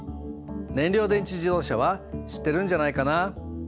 燃料電池自動車は知ってるんじゃないかな。